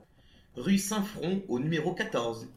Rue Saint-Front au numéro quatorze